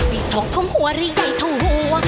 มีทองคำหัวหรือใหญ่ทองหัว